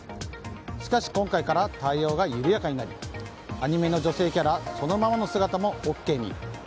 しかし、今回から対応が緩やかになりアニメの女性キャラそのままの姿もＯＫに。